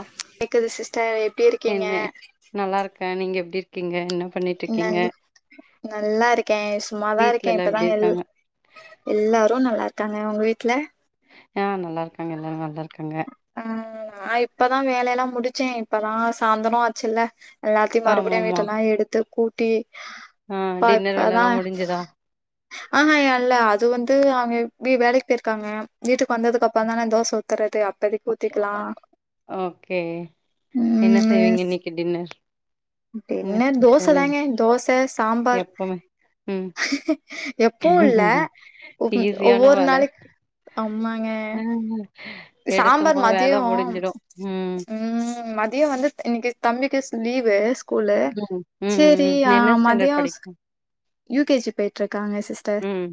ஆ கேக்குது சிஸ்டர் எப்டி இருக்கீங்க நல்லார்க்கே நீங்க எப்டி இருக்கீங்க என்ன பண்ணிட் நல்நல்லா இருக்கே சும்மாதா வீட்ல இருக்கே எல்லா இப்பதா எப்டி எல் இருக்காங்க எல்லாரு நல்லா இருக்காங்க ஒங்க வீட்ல ஆ நல்லாருக்காங்க எல்லாரு நல்லாருக்காங்க ஆ நா இப்பதா வேல எல்லா முடிச்சே இப்பதா சாய்ந்தர ஆச்சுல்ல எல்லாத்தியு ஆமா மறுபடியு ஆமா வீட்டெல்லா எடுத்து கூட்டி ஆ ப்பா டின்னர் இப்பதா வேலல்லா முடிஞ்சுதா ஆஹ அல்ல அது வந்து அவுங்க வேலக்கு போயிருக்காங்க வீட்டுக்கு வந்ததுக்கு அப்புறந்தானே தோச ஊ த்துறது அப்பதிக் ஊத்திக்கலா ஓகே என்ன ம் செய்வீங்க இன்னைக்கு டின்னர் என்ன டின்னர் ஸ்பெஷல் தோச தாங்க இன்னைக்கு? தோச சாம்பார் எப்பவுமே ம் எப்பவு இல்ல ஒவ் ஈஸியான ஒவ்வொரு வேல நாளைக் ஆம்மாங்க ஹ சாம்பார் மதியோ ம் ம் மதிய வந்து இன்னைக்கி தம்பிக்கு ஸ் லீவு ஸ்கூலு ம் ம் சேரி ம் ஆ என்ன மதிய ஸ்டாண்டர்ட் படிக்கு யூ கே ஜி போய்ட்டு இருக்காங்க சிஸ்டர் ம்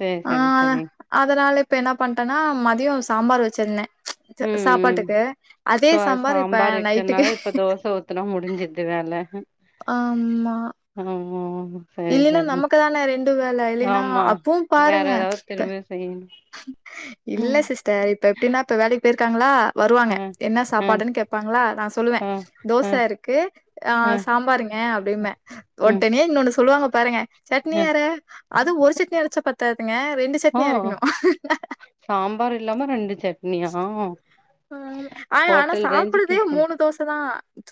சேரி ஆ சரி சரி அதுனால இப்ப என்ன பண்ட்டன்னா மதியம் சாம்பார் வச்சிருந்தே ம் ம் சாப்பாட்டுக்கு அதே சோ சாம்பார் இப்ப நைட்டுக்கு இப்பதா முடிஞ்சது வேல ஆம்மா ஆமா சரி சரி தானே ரெண்டு வேல இல்லைன்னா ஆமா அப்பவும் வேற பாருங்க ஏதாவது இப்ப திரிமியு செய்யனு இல்ல சிஸ்டர் இப்ப எப்டின்னா இப்ப வேலைக் பேய்ருக்காங்ளா ஆ வருவாங்க என்ன ஆ சாப்பாடுன் கேப் பாங்ளா நா சொல்லுவே ஆ தோச ஆ இருக்கு ஆ சாம்பார் ஏ அப்டின்ன ம் ஒடனே இன்னொன்னு சொல்லுவாங்க பாருங்க சட்னி ம் அற அ அது ஒரு சட்னி அரச்சா பத்தாதுங்க ரெண்டு ஓ சட்னி அரைக்கனு சாம்பார் இல்லாம ரெண்டு சட்னியா ம் ஆன் ஆனா ஹோட்டல் ரேஞ்சுக்கு சாப்பறதே இருக்கணு மூணு தோச தா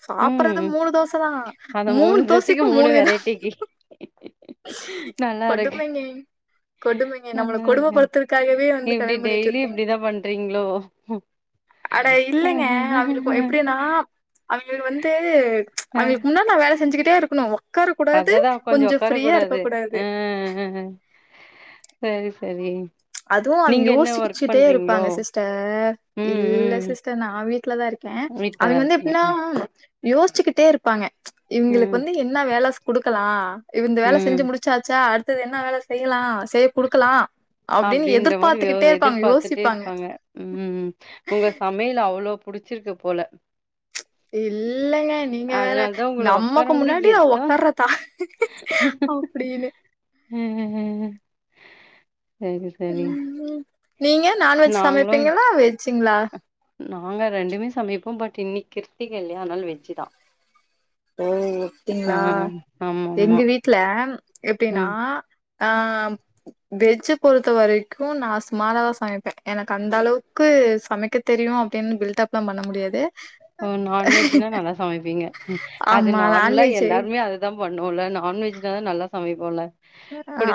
சாப்புறது ம் மூணு தோச தா அந்த மூணு மூண் தோசைக்கு மூணு வித வெரைட்டிக்கு நல்லா இருக்கு கொடுமைங்க கொடும்மைங்க நம்மள நல்லா கொடும இருக்கு படுத்துரக்காகவே வந்து கல்யாணோ பண்ணி வச்சிருக்காய்ங் தெரிங்ளோ அட இல்லங்க அவியளுக்கு எப்டியனா அவியளு வந்து அவிய முன்னாடி நா வேல செஞ்சிக்கிட்டே இருக்கணு அத தா கொஞ்சோ ஓக்கார கூடாது இருக்கக்கூடாது. ஆ ஆ செரி செரி அதுவு அவிங்க யோச்சிகுச்சிட்டே இருப்பாங்க சிஸ்டர் ம் இல்ல ம் சிஸ்டர் நா வீட்லதா இருக்க வீட்லதா அவிங்க வந்து இருக்கீங்க எப்பின்னா யோச்சிக்கிட்டே இருப்பாங்க இவிங்களுக்கு ம் வந்து என்ன வேல குடுக்கலா இவ இந்த வேல ம் செஞ்சி முடிச் சாச்சா அடுத்தது என்ன வேல செய்யலா செய்ய குடுக்கலா அப்டின்ற மாரி எதிர்பாத்துட்டே யோசிப்பாங்க. இருக்காங்க ம் உங்க சம் மையல் அவ்ளோ புடிச்சிருக்கு போல இல்லங்க நீங்க வேற அதனாலதா உங்கள நம்மக்கு உக்காரம் கூட முன்னாடி அவ எதா ஒக்கார்றதா அப்டினு ம் ம் சரி சரி நீங்க நான்வெஜ் நாங்களு சமைப்பீங்களா வெஜ்ஜிங்ளா நாங்க ரெண்டுமே சமைப்போ பட் இன்னிக் கிருத்திக இல்லயா அதனால வெஜ்ஜி தா ஓ அப்பீங்ளா ஆமா ஆமா எங்க வீட்ல எப்டினா ம் ஆ வெஜ்ஜி பொறுத்த வரைக்கு நா சுமாராதா சமைப்பே எனக்கு அந்த அளவுக்கு சமைக்க தெரியும் அப்டின் பில்ட் அப் லா பண்ண முடியாது ஆ நான்வெஜ்னா நல்லா சமைப்பீங்க அது ஆமா நார்ம்லா நான்வெஜ் எல்லார்மே அது தா பண்ணுவோல்ல நான்வெஜ் தா நல்லா சமைப்போல்ல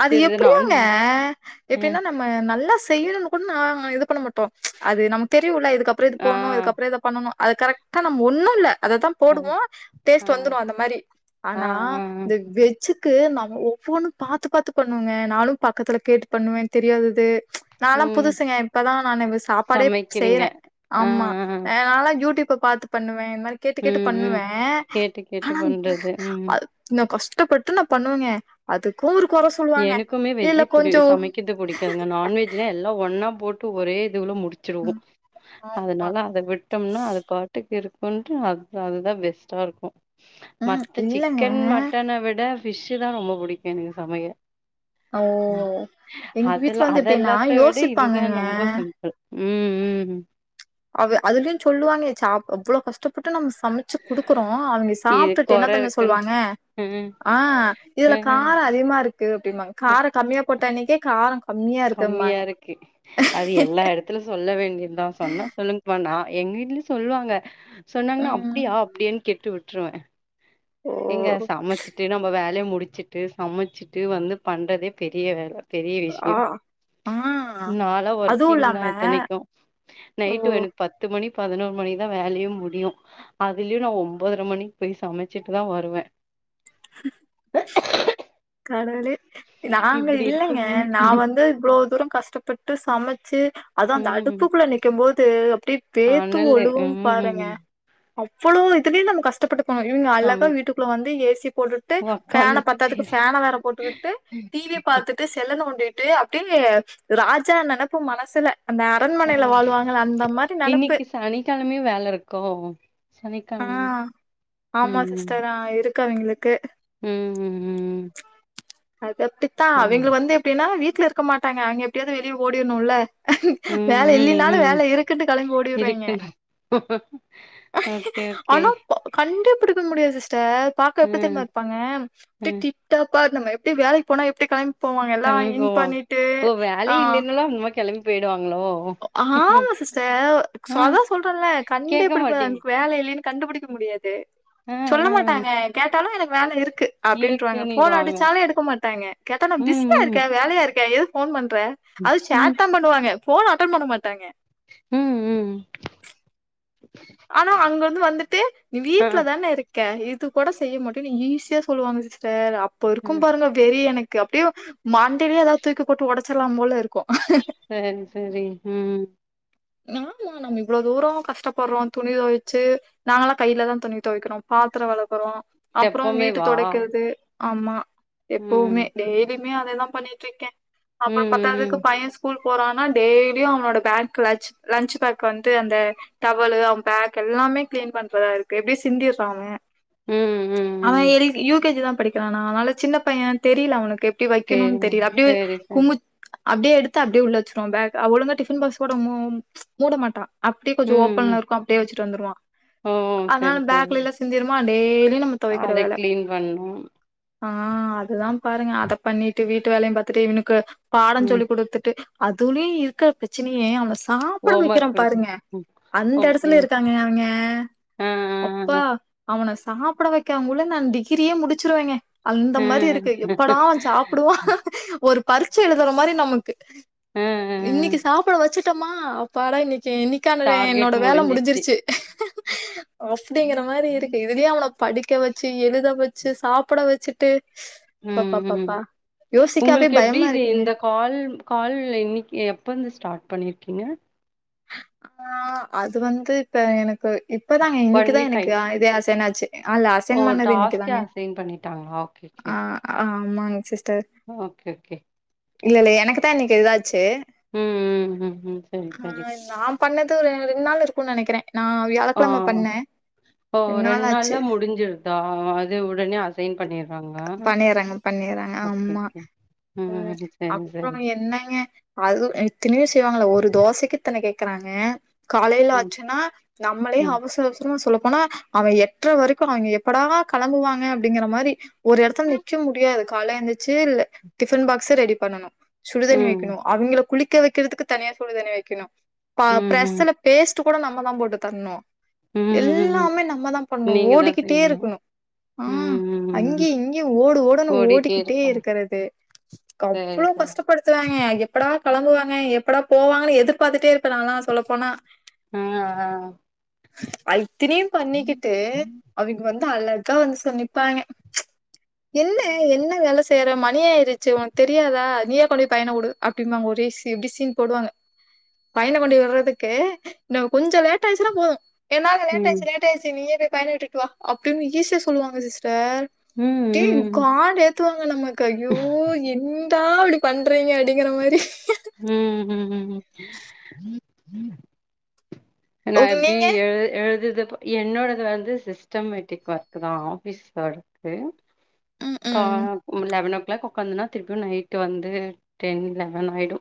அது எப்டியோங்க எப்டின்னா நம்ம நல்லா செய்யணுன் கூட நாம இது பண்ண மாட் டோ அது நமக் தெரியுல இதுக்கப்றோ இது ஆ போணு இதுக்கப்றோ இத பண்ணனு அது கரெக்டா நம்ம ஒண்ணு இல்ல அத தா ஆ போடுவோ டேஸ்ட் ஆ வந்துரு அந்த மாரி ஆ ஆனா ஆ ஆ இந்த வெஜ்ஜிக்கு நம்ம ஒவ்வொன்னு பாத்து பாத்து பண்ணுவங்க நாளு பக்கத்துல கேட்டு பண்ணுவே தெரியாதது நாலா ம் புதுசுங்க இப்பதா நானு வே சாப்பாடே சமைக்கிறீங்க செய்யற ஆ ஆமா ஆ அதனால யூடூப்ப பாத்து பண்ணுவே இந் மாரி கேட்டு கேட்டு ம் ம் பண்ணுவே கேட்டு கேட்டு ஆனா பண்றது ம் அத் இன்னு கஷ்டப்பட்டு நா பண்ணுவேங்க அதுக் கு ஒரு கொற சொல் எனக்குமே வெஜ் புடி சமைக்கற்து புடிக்காதுங்க நான்வெஜ் ல எல்லா ஒன்னா போட்டு ஒரே இதுவுல முடிச்சிருவோ ஆமா அதனால அத வி ட்டம்னா அது பாட்டுக்கு இருக்குன்டு அது அதுதா பெஸ்ட்டா இருக்கு ம் மத்த இல்லங்க சிக்கன் மட்டன விட ஃபிஷ் தா ரொம்ப புடிக்கு எனக்கு சமைய ஓ ம் எங்க வீட்ல அதெல்லா வந்து எப்டின்னா அதெல்லாத்த விட இதுதா யோசிப்பாங்கங்க ரொம்ப சிம்பள் ம் ம் அவ அதுலயு சொல்லுவாங்க சாப்ட அவ்ளோ கஷ்ட பட்டு நம்ம சமைச்சு குடுக்குறோ அவிய்ங்க இது சாப்ட்டுட்டு கொற என்ன தெரிமா இருக்குன்னு சொல்லுவாங்க ம் ஆ இதுல ம் கார அதிகமா இருக்கு அப்டிமாங்க உப்பு கார கம்மியா போட்டா அன்னேக்கே கார கம்மியா இருக்கு அது எல்லா எடத் த்துல சொல்ல வேண்டியத்தா சொன்னா சொல்லுங் பா எங்க வீட்லயு சொல்வாங்க சொன்னாங்ன்னா அப் ம் டியா அப்டின்ன கேட்டு விட்ருவே ஓ எங்க சமச்சிட்டு நம்ம வேலைய முடிச்சுட்டு சமச்சிட்டு வந்து பண்றதே பெரிய வேலை பெரிய ஆ விஷ்யோ ஆ நாலா அதுவு ஒர்க்கிங் தா இல்லாம இத்தனைக்கு ஓ நைட்டு பத்து மணி பதினோரு மணிகு தா வேலயே முடியும் அதுலியு நா ஒம்போதர மணிக்கு போய் சமைச்சுட் டுதுதா வருவே கடவுளே நாங்க இப்டி இல்லைங்க இருக்கும்போது நா வந்து இவ்ளோ தூரோ கஷ்டப்பட் டு சமச்சு அது அந்த ம் அடுப்புக்குள்ள நிக்கம் போது அப்டி வேத்து அனலு ஒழுகு பாருங்க ம் அவ்ளோ இதுலயு நம்ம கஷ்டப்பட்டுக்கணு இவங்க அழகா சம வீட்டுக்குள்ள வந்து ஏசி போட்டு கிட்டு பேன உக்காந்துட்டு பத்தாதுக்கு பேச பேனை வேற போட்டுகிட்டு டிவிய பாத்துட்டு செல்ல நோண்டிட்டு அப்டியே ராஜா நெனனப்பு மனசுல அந்த அரண்மனையில வாழ்வாங்கல அந்த மாரி நெனப்பு சனிக்கெழமேயு வேல இருக்கு ஆ ஆமா ம் சிஸ்டர் இருக்காது எங்ளுக்கு ம் ம் ம் அது அப்டித்தா சரி அவிய்ங்க வந்து எப்டின்னா வீட்ல இருக்க மாட்டாங்க அவிய்ங்க எப்டியாவது வெளிய ஓடிர்ணுல்ல வேல ம் ம் இல்லனாலு ம் வேல இருக்குன்னு கெளம்பி ஓடிற்றாய்ங்க இருக்குண்ணா ஓகே ஓகே ஆனா கண்டே புடிக்க முடியாது சிஸ்டர் பாக்க எப்டி ம் தெரியுமா இருப்பாய்ங்க அப்டியே ம் டிப்டாப் இருந்தமாரி அப்டி வேலைக்கு போன எப்டி கெளம்பி போவாங்க எல்லா கெளம்பி இன் போவோ பண்ணிட்டு ஓ ஆ வேலயே இல்லன்னாலு அந்மாரி கெளம்பி போயிடுவாங்களோ ஆமா சிஸ்டர் ஆ சொதா சொல்றேன்ல கண்டே கேக்க பிடிக்க முடியாது மாட்டீங் அவனுக் வேலை இல்லைன்னு கண்டுபிடிக்க முடியாது ஆ சொல்ல ஆ மாட்டாக கேட்டாலு எனக்கு வேலை இருக்கு அப்டின்றுவாங்க போ இருக்குன்னிடுவாங்க அடிச்சாலு எடுக்க மாட்டாங்க கேட்டா நா ம் பிஸியா ம் இருக்கே வேலையா இருக்கே ஏதுக்கு போன் பண்ற ம் அது சேட் தா பண்ணுவாங்க போன் அட்டன் பண்ண மாட்டாங்க ம் ம் ஆனா அங்கருந்து வந்துட்டு நீ ஆ வீட்ல தான இருக்க இது கூட செய்ய மாட்டனு ஈஸியா சொல்லுவாங்க சிஸ்டர் அப்ப ஆ இருக்கும் பாருங்க வெறி எனக்கு அப்டியே மண் டயலே ஏதாவது தூக்கி போட்டு உடச்சிற்லாம் போல இருக்கு சரி சரி ம் நாங்ளு நம்ம இவ்ளோ தூரோ கஷ்டப்பறோ துணி தொவச்சு நாங்கல்லா கையில தா துணி தொவைக்கிறோ பாத்திரோ வெளக்குறோ அப்பறோ எப்பவுமே வீட்டு வா தொடைக்கிற்து ஆமா ம் எப்பவுமே டெய்லியுமே அதேதா பண்ணிட் ருக்கே ம் அப்பறம் பத்தாதுக்கு ம் பைய ஸ் ஸ்கூல்க்கு போறனா டெய்லியு அவனோட பேக் லன்ச் லன்ச் பேக் வந்து அந்த டவல் அவன் பேக் எல்லாமே கிளீன் பண்றதா இருக்கு எப்டி சிந்திற்றா அவ ம் ம் ம் அவ ம் எல் யூ கே‌ ஜி தா படிக்கறானா அதனால சின்ன பைய தெரில அவனக்கு எப்டி வக்கணுன்னு சேரிங்க தெரில அப்டியே சேரி சேரி குமுச் அப்டியே எடுத்து அப்டியே உள்ள வச்சிறுவா பேக் ஆ ஒழுங்கா டிஃபன் பாக்ஸ் கூட மூ மூட மாட்றா அப்டியே கொஞ்சோ ம் ம் ஓப்பன்ல இருக்கு அப்டியே வச்சிட்டு வந்துருவா ஓ அதனால சேரி சேரி பேக்ல எல்லா சிந்திருமா டெய்லியு நம்ம தொவைக்கிற அத வேலை கிளீன் பண்ணு ஆ அதுதா பாருங்க அத பண்ணிட்டு வீட்டு வேலையு பாத்துட்டு இவனுக்கு பாடோ ம் சொல்லி் குடுத்துட்டு அதுலயு இருக்க பிரச்சனையே அவன சாப் ட ஹோம் வைக்கிறே ஒர்க் குடுக்கணு பாருங்க ம் அந்த ஓகே எடத்துல இருக்காங்க அவங்க ஆ அப்பா ஆ அவன சாப்ட வைக்கிறங்குள்ள நா டிகிரியே முடிச்சிருவேங்க அந்த ஆ ஆ மாரி இருக்கு எப்படா அவே சாப்டுவா ஒரு பரிட்சை எழுதுற மாரி நமக் கு ஆ ஆ ஆ. இன்னைக்கி சாப்ட வச்சிட்டமா அப்பாட இன்னக்கி இன்னக் கான டார்கெட் என்னோட வேலை முடிஞ்சிச்சு முடிஞ்சிருச்சு அப்டிங்கற மாரி ம் இருக்கு இதுலயே அவன படிக்க வச்சி எழுத வச்சி சாப்ட வச்சிட்டு ம் பப்பப்பப்பா யோசிக்கவே உங்களுக்கு எப்டி பயமா இது இருக்குங்க இந்த கால் கால் இன்னக்கி எப்ப இருந்து ஸ்டார்ட் பண்ணிருக்கீங்க ஆ அது வந்து இப்ப எனக்கு இப் இப்பதாங்க ஒன் இன்னக்கிதா வீக் எனக்கு ஆயிடுச்சு இதே அசைன் ஆச்சு ஆ இல்ல ஓ அசைன் பண்ணதே டாஸ்கே இன்னைக்குதாங்க அசைன் பண்ணிட்டாங்களா ஓகே ஓகே ஆ ஆமாங்க சிஸ்டர் ஓகே ஓகே இல்ல இல்ல எனக்குதா இன்னைக்கு இதாச்சு ம் ம் ம் ம் சரி சரி ஆ நா பண்ணது ஒரு ரெண்டு நாள் இருக்குன்னு நெனைக்கிறே நா வியாழக்கெழம ஆ பண்ணே ரெண்டு நாள் ஆச்சு ஆ இது உடனே ஹஸ் பண்ணிர்றேங்க பண்ணிர்றேங்க ஓகே, ஆமா ஓகே. ம் சரி, அப்றோ சரி. என்னங்க அது இத்தனையு செய்வாங்கள ஒரு தோசைக்கு இத்தன கேக்குறாங்க காலேல ம், ஆச்சுன்னா நம்மளே ம், அவசர அவசர சமா சொல்லப்போனா அவே எட்ற வரைக்கு அவங்க எப்படா கெளம்புவாங்க அப்டிங்கிற மாரி ஒரு எடத்துல நிக்க முடியாது கால்ல எந்திச்சு இல் டிஃபன் பாக்ஸ் ரெடி பண்ணனு சுடுதண்ணி ம், வைக்கணு அவிங்கள குளிக்க வைக்கிறதுக்கு தனியா சுடுதண்ணி வைக்கணு பா ம், பிரஷ்ல பேஸ்ட் கூட நம்மதா போட்டு தரணு ம், ம், ம். எல்லாமே நம்மதா பண்ணணு நீங்க தான் ஓடிக்கிட்டே செய்யணும். இருக்கணு ஆ ம், அங் ம், ம். கயு இங்கயு ஓடு ஓடுன்னு ஓடிட்டே ஓடிக்கிட்டே இருக்கும். இருக்குறது எனக்கு சரி, அவ்ளோ சரி. கஷ்ட ப்படுத்துவாங்க எப்படா கெளம்புவாங்க எப்படா போவாங்கன்னு எதிர்பாத்துட்டே இருப்பே நால்லா சொல்லப்போனா ஆ ஆ அய்த்தினுயு ம், பண்ணிக்கிட்டு அவிங்க வந்து அழகா வந்து சோ நிப்பாய்ங்க என்ன என்ன வேலை செய்யற மணியாயிருச்சி உனக்கு தெரியாதா நீயே கொண்டோய் பையன வுடு அப்டிமாங்க ஒரே சி எப்டி சீன் போடுவாங்க பையன கொண்டோய் விட்றதுக்கு இன்னோ கொஞ்சோ லேட் ஆயிருச்சின்னா போது என்னால லேட் ம், ஆயிச்சி லேட் ஆயிச்சி நீயே போய் பையன விட்டுட்டு வா அப்டின்னு ஈஸியா சொல்லுவாங்க சிஸ்டர் அப்டியே ம், காண்ட் ஏத்துவாங்க நமக்கு ஐயோ என் தா அப்டி பண்றீங்க அப்டிங்கிற மாரி ம் ம் ம் ஏன்னா இப்டி நீங்க ஏ எழுதுதப்போ என்னோடது வந்து சிஸ்டமேட்டிக் ஒர்க்கு தா ஆஃபீஸ் ஒர்க்கு ம் கா ம் லெவன் ஓ கிளாக் உக்காந்துன்னா திருப்பியு நைட் வந்து டென் லெவன் ஆயிடு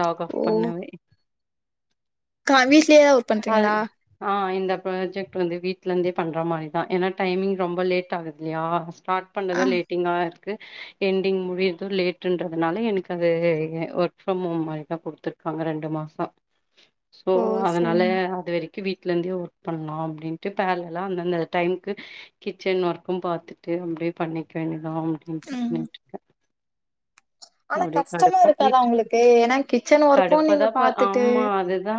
லாக் ஆஃப் ஓ பண்ணவே கா வீட்லயே ஒர்க் அது பண்றீங்களா ஆ இந்த ப்ராஜெக்ட் வந்து வீட்லந்தே பண்ற மாரிதா ஏனா டைமிங் ரொம்ப லேட் ஆகுதுலையா ஸ்டார்ட் ஆ பண்ணது லே டிங்கா இருக்கு என்டிங் முடிய்ரது லேட்டுன்றதுனால எனக்கு அங்க எ ஒர்க் ஃப்ரம் ஹோம் மாரிதா குடுத்துர் க்காங்க ரெண்டு மாசோ சோ ஓ அதனால சரிங்க அது வரைக் கி வீட்லந்தே ஒர்க் பண்லா அப்டின்ட்டு பேர்லெல்லா அந்தந்த டைம்க்கு கிச்சன் ஒர்க்கும் பாத்துட்டு அப்டியே பண்ணிக்க வேண்டியதா அப்டின்ட்டு ம் பண்ணிட்ருக்கே ஆனா அப்டியே கஷ்டமா கடுப்பா இருக்காதா பொயிட்ருக் உங்களுக்கு ஏன்னா கிச்சன் ஒர்க்கு நீங்க கடுப்புதாம்ப்பா பாத்துட்டு ஆமா அதுதா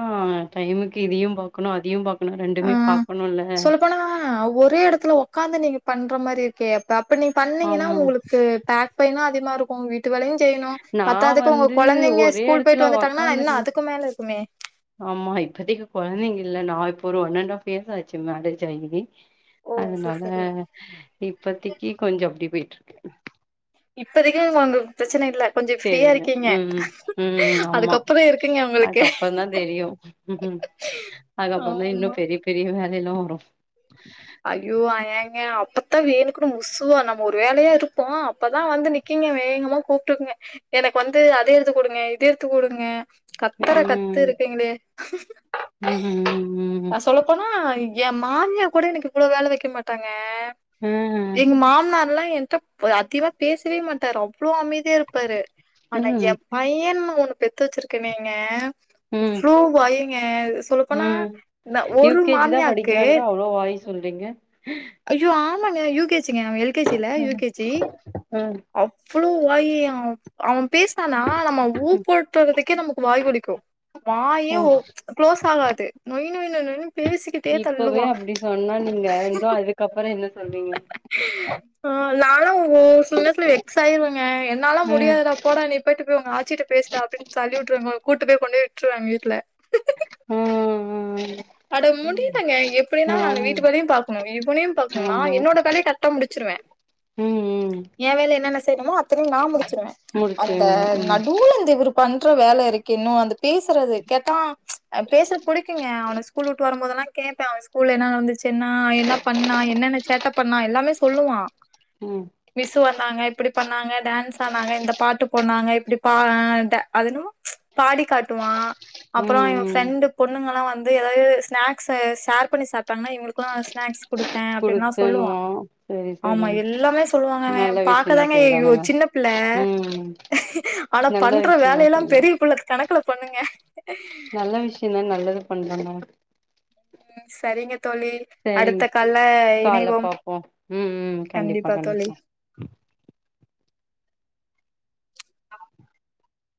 டைமுக்கு இதையு பாக்கணு அதையு பாக்கணு ரெண்டுமே பாக்கணுல்ல சொல்லப்போனா ஆ ஒரே எடத்துல ஒக்காந்து நீங்க பண்ற மாரி இருக்கே ப அப்ப நீ பண்ணீங்கனா ஆமா ஒங்களுக்கு பேக் பெய்னூ அதிகமா இருக்கு வீட் ட்டு வேலையு செய்யணு நா பத்தாதுக்கு ஒங்க வந்து கொழந்தைங்க ஒரே ஸ்கூல் எடத்துல போயிட்டு வந்துட்டாங்கனா இன்னு ஒக்காந்துட்டு அதுக்கு மேல இருக்குமே ஆமா இப்பதைக்கு கொழந்தைங்க இல்ல நா இப்ப ஒரு ஒன் அண்ட் ஹாஃப் இயர்ஸ் ஆச்சு மேரேஜ் ஆயி ஓ சரி அதுனால சரி இப்பத்திக்கி கொஞ்சோ அப்டி போயிட்ருக்கு இப்பதைக்கு உங்களுக்கு பிரச்சனை இல்ல கொஞ்ச ஃப்ரீயா தெரில இருக்கிங்க ம் ம் ஆமா அதுக்கப்பறோ இருக்குங்க ஒங்களுக்கு ம்ஹு அதுக்கப்றோந்த இன்னு பெரிய பெரிய வேலை எல்லா வரூ அய்யோ அ ஏங்க அப்பத்தா வேணுக்குன்னு முசுவா நம்ம ஒரு வேலையா இருப்போ அப்பதா வந்து நக் கிங்க வேகமா கூப்பிட்டுங்க எனக்கு வந்து அத எடுத்து குடுங்க இத எடுத்து குடுங்க கத்தற கத்து ம் இருக்குங்களே ம் ம் க சொல்லப்போனா என் மாமியா கூட எனக்கு இவ்வளோ வேல வைக்க மாட்டாங்க ம் ம் எங்க மாமனார்ல்லா என்ட்ட அதிகமா பேசவே மாட்டாற அவ் வ்ளோ அமைதியா இருப்பாரு ஆனா என் பையன்னு ஒண்ணு பெத்து வச்சிருக்கனேங்க ம் ம் அவ்ளோ வாய்ங்க சொல்லபோனா ம் இந்த யூ ஒரு கே ஜி தா மாமியாக்கு படிக்கிறான்ற அவ்ளோ வாய் சொல்றீங்க ஐயோ ஆமாங்க யூ கே சிங்க அவ எல் கே சி இல்ல யூ ம் கே ஜி ம் அவ்ளோ வாயி அவ் அவ பேசுனானா நம்ம ஊ ம் போட்றததுக்கே நமக்கு வாய் வலிக்கு ஓ வாயே ஒ ம்ச் க்ளோஸ் ஆகாது நொய் நொய் நொய் நொய்னு இப்பவே அப்டி சொன்னா நீங்க இன்னு அதுக்கப்பறோ என்ன சொல்லுவீங்க ஆ நாலா ஓ சில நேரத்துல வெக்ஸ் ஆயிருவங்க என்னால்லா ம் முடியாதுடாப் போடா நீ போயிட்டு போய் ஒங்க ஆச்சிட்ட பேசுடா அப்டின் தள்ளி விட்ருவங்க ஒ கூட்டுப்போய் கொண்டோய் விட்ருவே அவங் வீட்ல ம் ம் ம் ம் அட முடியலைங்க எப்டினா நானு ஆமா வீட்டுக்கு வேலையு பாக்கணு இவனையு பாக்கணு நா ஆமா என்னோட வேலைய கரட்டா முடிச்சிருவே ம் ம் ஏ வேல என்னென்ன செய்ணுமோ அத்தனையு நா முடிச்சிருவே அந்த முடிச்சேங்க ம் நடுவுல இந்த இவரு பண்ற வேல இருக்கே இன்னு அந்த பேசுறது கேட்டா அ ம்ச் பேச புடிக்குங்க அவனஸ் கூலுவுட்டு வரும் போதெல்லா கேப்பே அவ ஸ்கூல்ல என்ன நடந்துச்சுன்னா என்ன பண்ணா என்னென்ன சேட்டப் பண்ணா எல்லாமே சொல்லுவா ம் மிஸ்ஸு வந்தாங்க இப்படி பண்ணாங்க டான்ஸ் ஆனாங்க இந்த பாட்டு போனாங்க இப்படி பா ஆ இந்த அது என்னமோ ம்ச் பாடி காட்டுவா அப்பறோ ம் இவ ம் ஃப்ரெண்டு பொண்ணுங்கலா வந்து எத் தயு ஸ்னாக்ஸ்ஸு ஷேர் பண்ணி சாப்டாங்கனா இவங்களுக்குலா ஸ்னாக்ஸ் குடுத்தே அப்டின்லா சொல்லுவா குடுத்தணுமா சரி சரி ஆமா எல்லாமே சொல்லுவாங்க அவ நல்ல விஷயந்தா பாக்கதாங்க செய்றானுங்க ஏயோச் சின்னப் பிள்ள ம் ஆனா நல்ல பண்ற விஷயமா வேலையெல்லா செய்யலா பெரிய புள்ள கணக்குல பண்ணுங்க தின்னா நல்லது பண்ணுன்ல ம் சரிங்க தோழி சரிங்க அடுத்த கால்ல கால்ல இணைவோம் பாப்போ ம் ம் கண்டிப்பா தோழி